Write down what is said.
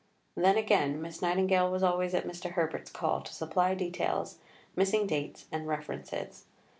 '" Then, again, Miss Nightingale was always at Mr. Herbert's call to supply details, missing dates, and references.